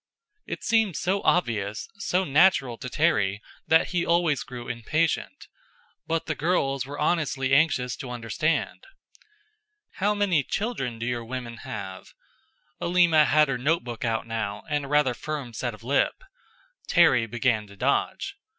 It seemed so obvious, so natural to Terry, that he always grew impatient; but the girls were honestly anxious to understand. "How many children do your women have?" Alima had her notebook out now, and a rather firm set of lip. Terry began to dodge.